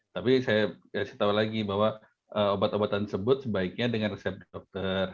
tapi saya kasih tahu lagi bahwa obat obatan sebut sebaiknya dengan resep dokter